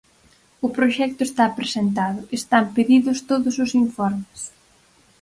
O proxecto está presentado, están pedidos todos os informes.